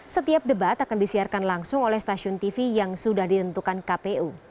setiap debat akan disiarkan langsung oleh stasiun tv yang sudah ditentukan kpu